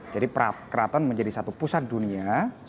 jadi keraton menjadi satu pusat dunia